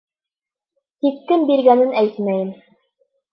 Тик кем биргәнен әйтмәйем.